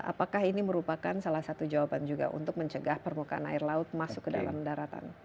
apakah ini merupakan salah satu jawaban juga untuk mencegah permukaan air laut masuk ke dalam daratan